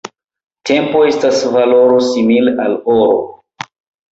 Tempo estas valoro simile al oro.